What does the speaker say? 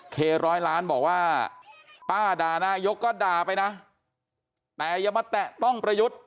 เคร้อยล้านบอกว่าป้าด่านายกก็ด่าไปนะแต่อย่ามาแตะต้องประยุทธ์